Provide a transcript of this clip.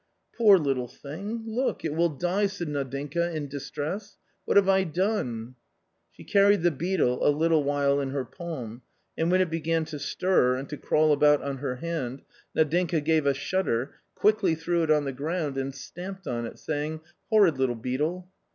" Poor little thing ! look, it will die," said Nadinka, in distress. " What have I done ?" She carried the beetle a little while in her palm, and when it began to stir and to crawl about on her hand Nadinka gave a shudder, quickly threw it on the ground, and stamped on it, saying, " horrid little beetle